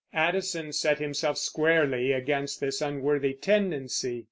Addison set himself squarely against this unworthy tendency.